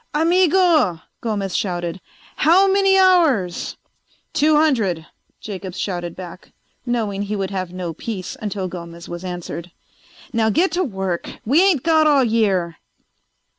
"Amigo!" Gomez shouted. "How many hours?" "Two hundred!" Jacobs shouted back, knowing he would have no peace until Gomez was answered. "Now get to work! We ain't got all year."